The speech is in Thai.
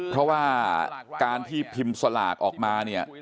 เพราะว่าการที่พิมพ์สลากออกมาเนี่ย